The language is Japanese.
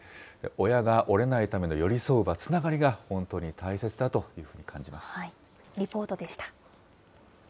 親が折れないための寄り添う場、つながりが本当に大切だというふリポートでした。